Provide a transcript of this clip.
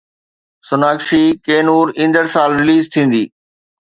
سوناڪشي ڪي نور ايندڙ سال رليز ٿيندي